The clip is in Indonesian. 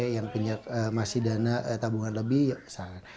yang punya masih dana tabungan lebih ya kesalahan